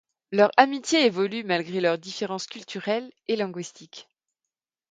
Leur amitié évolue malgré leurs différences culturelles et linguistiques.